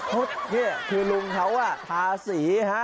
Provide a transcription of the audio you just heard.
ชดคุณลุงเขาทาสีฮะ